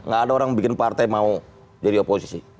gak ada orang bikin partai mau jadi oposisi